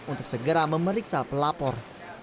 untuk segera memeriksa pelapor